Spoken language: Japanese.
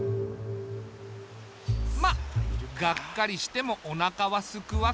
まあがっかりしてもおなかはすくわけで。